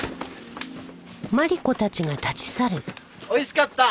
おいしかった！